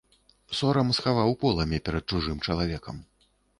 Сорам схаваў поламі перад чужым чалавекам.